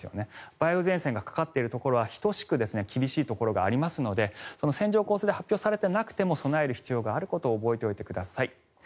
梅雨前線がかかっているところは等しく厳しいところがありますので線状降水帯が発表されてなくても備える必要があることを覚えておいてください。